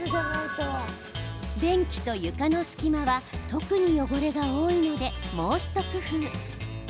便器と床の隙間は特に汚れが多いので、もう一工夫。